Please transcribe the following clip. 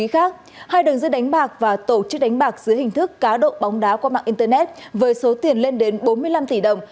hai đường dây đánh bạc và tổ chức đánh bạc dưới hình thức cá độ bóng đá qua mạng internet với số tiền lên đến bốn mươi năm tỷ đồng